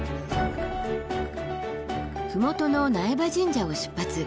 麓の苗場神社を出発。